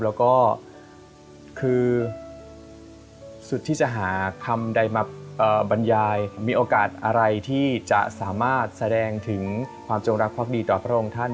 แล้วก็คือสุดที่จะหาคำใดมาบรรยายมีโอกาสอะไรที่จะสามารถแสดงถึงความจงรักภักดีต่อพระองค์ท่าน